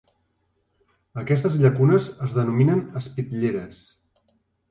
Aquestes llacunes es denominen espitlleres.